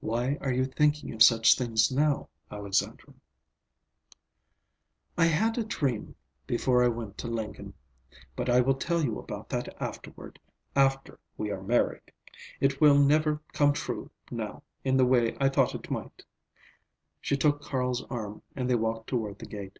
"Why are you thinking of such things now, Alexandra?" "I had a dream before I went to Lincoln—But I will tell you about that afterward, after we are married. It will never come true, now, in the way I thought it might." She took Carl's arm and they walked toward the gate.